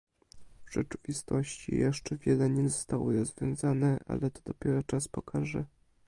W rzeczywistości jeszcze wiele nie zostało rozwiązane, ale to dopiero czas pokaże